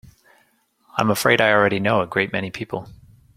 I'm afraid I already know a great many people.